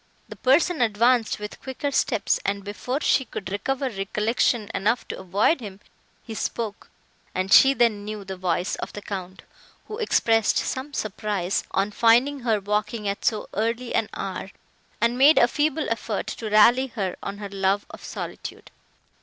The person advanced with quicker steps, and, before she could recover recollection enough to avoid him, he spoke, and she then knew the voice of the Count, who expressed some surprise, on finding her walking at so early an hour, and made a feeble effort to rally her on her love of solitude.